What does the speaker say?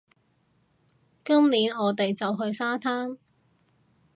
今年，我哋就去沙灘